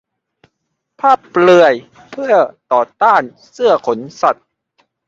ภาพเปลือยเพื่อต่อต้านเสื้อขนสัตว์